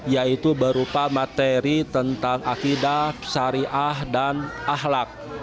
yaitu berupa materi tentang akidah syariah dan ahlak